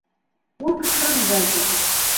Ул ҡысҡырып ебәрҙе: